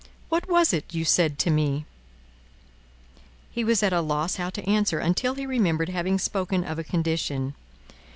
"What was it you said to me?" He was at a loss how to answer, until he remembered having spoken of a condition.